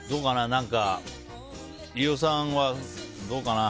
何か、飯尾さんはどうかな。